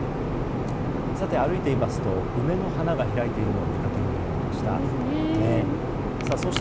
歩いていますと梅の花が開いているのを見かけるようになりました。